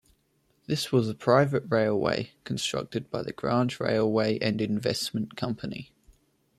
This was a private railway, constructed by the Grange Railway and Investment Company.